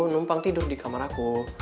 numpang tidur di kamar aku